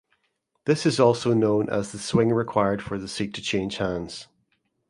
This is also known as the swing required for the seat to change hands.